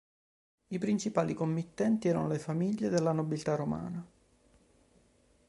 I principali committenti erano le famiglie della nobiltà romana.